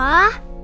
papa dari sini ya